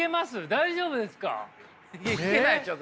大丈夫ですか？